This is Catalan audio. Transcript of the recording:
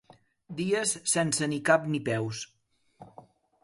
Dies sense ni cap ni peus.